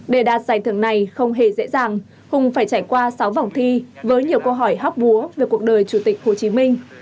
để đạt giải thưởng này không hề dễ dàng hùng phải trải qua sáu vòng thi với nhiều câu hỏi hóc búa về cuộc đời chủ tịch hồ chí minh